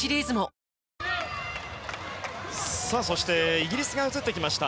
イギリスが映ってきました。